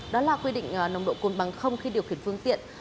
đó là quy định nồng độ cồn bằng không khi điều khiển phương tiện